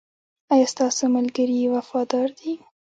ایا ستاسو ملګري وفادار دي؟